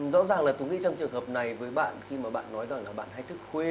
rõ ràng là tôi nghĩ trong trường hợp này với bạn khi mà bạn nói rằng là bạn thách thức khuê